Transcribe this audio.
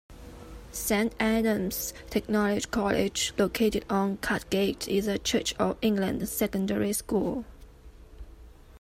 Saint Aidan's Technology College, located on Cartgate, is a Church of England secondary school.